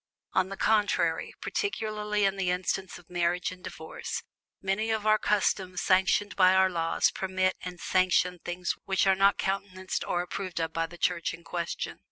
On the contrary, particularly in the instance of Marriage and Divorce, many of our customs sanctioned by our laws permit and sanction things which are not countenanced or approved of by the Church in question.